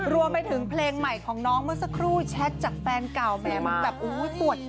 รวมไปถึงเพลงใหม่ของน้องสักครู่